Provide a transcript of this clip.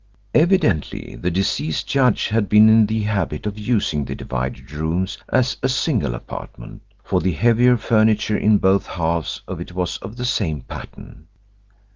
Evidently the deceased judge had been in the habit of using the divided rooms as a single apartment, for the heavier furniture in both halves of it was of the same pattern.